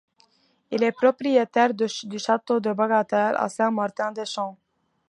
Il est propriétaire du château de Bagatelle, à Saint-Martin-des-Champs.